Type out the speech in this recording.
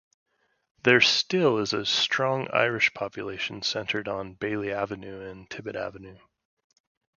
There still is a strong Irish population centered on Bailey Avenue and Tibbett Avenue.